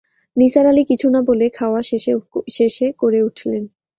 নিসার আলি কিছুনা-বলে খাওয়া শেষে করে উঠলেন।